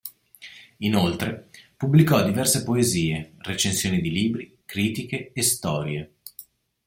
Inoltre, pubblicò diverse poesie, recensioni di libri, critiche e storie.